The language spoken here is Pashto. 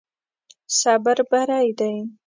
صبر بری دی.